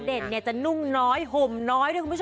อเด่นเนี่ยจะนุ่มน้อยห่มน้อยด้วยคุณผู้ชม